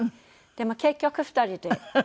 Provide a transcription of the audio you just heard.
で結局２人で。